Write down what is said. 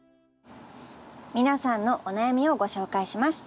皆さんのお悩みをご紹介します。